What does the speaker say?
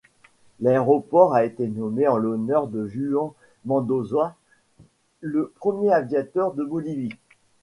L'aéroport a été nommé en l'honneur de Juan Mendoza, le premier aviateur de Bolivie.